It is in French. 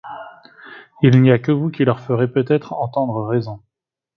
Il n’y a que vous qui leur ferez peut-être entendre raison.